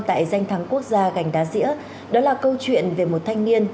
tại danh thắng quốc gia gành đá dĩa đó là câu chuyện về một thanh niên